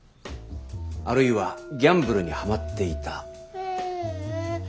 あるいはギャンブルにハマっていた？